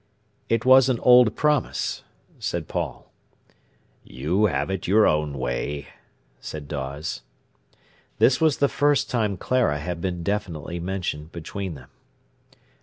"It was an old promise," said Paul. "You have it your own way," said Dawes. This was the first time Clara had been definitely mentioned between them.